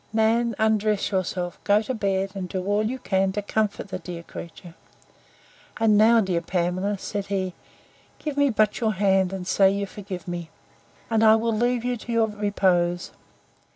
Nan, undress yourself, go to bed, and do all you can to comfort the dear creature: And now, Pamela, said he, give me but your hand, and say you forgive me, and I will leave you to your repose.